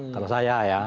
kalau saya ya